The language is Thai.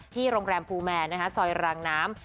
โรงแรมภูแมนซอยรางน้ำ